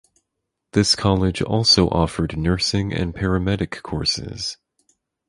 This college also offered Nursing and Paramedic courses.